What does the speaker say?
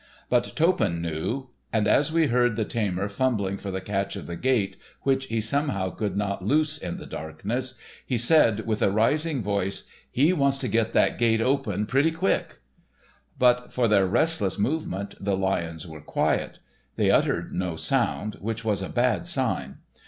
But Toppan knew; and as we heard the tamer fumbling for the catch of the gate, which he somehow could not loose in the darkness, he said, with a rising voice: "He wants to get that gate open pretty quick." But for their restless movements the lions were quiet; they uttered no sound, which was a bad sign.